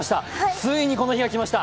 ついにこの日が来ました。